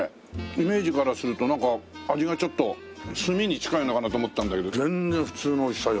イメージからすると味がちょっと炭に近いのかなと思ったんだけど全然普通の美味しさよ。